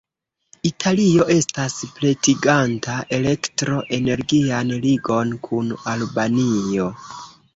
Italio estas pretiganta elektro-energian ligon kun Albanio.